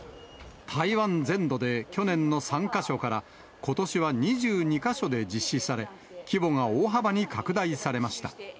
台湾全土で去年の３か所から、ことしは２２か所で実施され、規模が大幅に拡大されました。